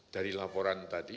dari laporan tadi